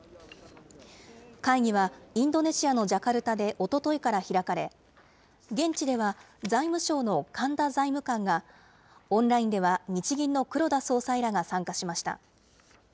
会議はインドネシアのジャカルタでおとといから開かれ、現地では財務省の神田財務官が、オンラインでは日銀の黒田総裁らが参加しました。